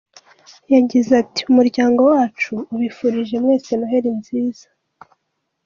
Yagize ati; "Umuryango wacu ubifurije mwese Noheli nziza.